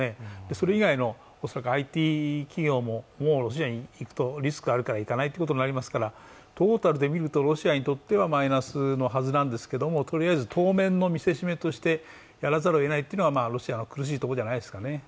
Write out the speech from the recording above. それ以外の恐らくＩＴ企業ももうロシアに行くとリスクがあるから行かないということになりますから、トータルで見るとロシアにとってはマイナスのはずですがとりあえず当面の見せしめとしてやらざるをえないというのがロシアの苦しいところじゃないですかね。